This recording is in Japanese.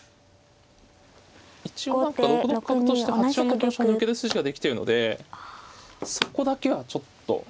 一応何か６六角として８四の香車抜ける筋ができてるのでそこだけはちょっと。